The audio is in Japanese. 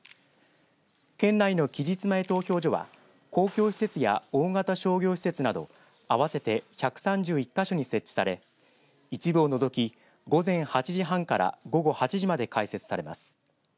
県内の期日前投票所は公共施設や大型商業施設など合わせて１３１か所に設置され一部を除き、午前８時半から午後８時まで開設されます。